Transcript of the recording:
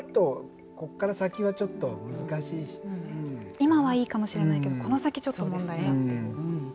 今はいいかもしれないけどこの先ちょっと問題がっていうことですよね。